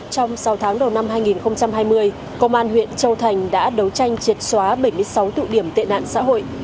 trong sáu tháng đầu năm hai nghìn hai mươi công an huyện châu thành đã đấu tranh triệt xóa bảy mươi sáu tụ điểm tệ nạn xã hội